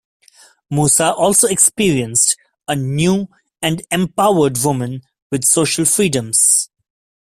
Musa also experienced a new and empowered woman with social freedoms.